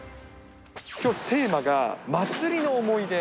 きょう、テーマが祭りの思い出。